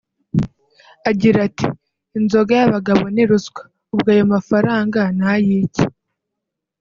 Agira ati “Inzoga y’abagabo ni ruswa…ubwo ayo mafaranga ni ay’iki